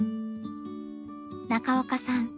中岡さん